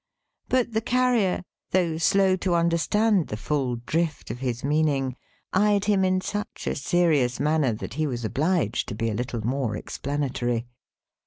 But the Carrier, though slow to understand the full drift of his meaning, eyed him in such a serious manner, that he was obliged to be a little more explanatory.